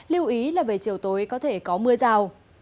lưu ý là về chiều tối có thể có mưa rào